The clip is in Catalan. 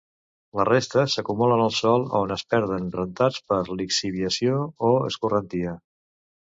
La resta s'acumulen al sòl o es perden rentats per lixiviació o escorrentia.